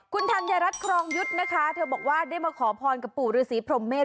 คุณธัญรัฐครองยุทธ์นะคะเธอบอกว่าได้มาขอพรกับปู่ฤษีพรมเมษ